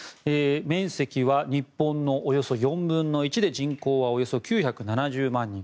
面積は日本のおよそ４分の１で人口はおよそ９７０万人。